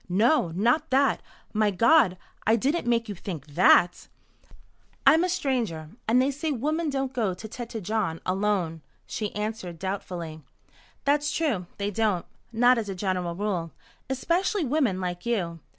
"No, not that. My God, I didn't make you think that?" "I'm a stranger and they say women don't go to Tête Jaune alone," she answered doubtfully. "That's true, they don't not as a general rule. Especially women like you.